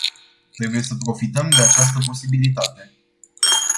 Trebuie să profităm de această posibilitate.